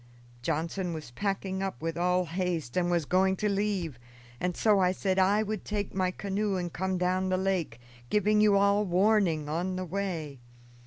Johnson was packing up with all haste and was going to leave, and so I said I would take my canoe and come down the lake, giving you all warning on the way.